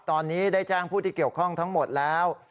ตอนนี้ได้แจ้งผู้ที่เกี่ยวข้องทั้งหมดแล้ว